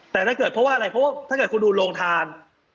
แต่ถ้าเกิดเพราะว่าอะไรเพราะว่าถ้าเกิดคุณดูโรงทาน